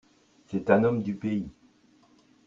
C'est un homme du pays.